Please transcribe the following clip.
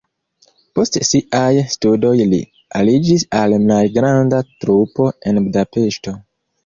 Post siaj studoj li aliĝis al malgranda trupo en Budapeŝto.